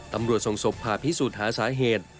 ตำรวจส่งศพผ่าพิสูจน์หาสาเหตุ